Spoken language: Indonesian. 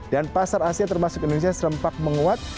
dan pasar asia termasuk indonesia serempak menguat